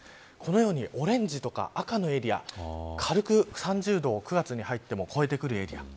オレンジとか赤のエリア軽く３０度を９月に入っても超えるエリア。